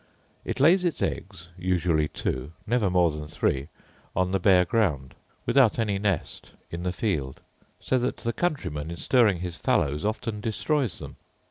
It lays its eggs, usually two, never more than three, on the bare ground, without any nest, in the field; so that the countryman, in stirring his fallows, often destroys them.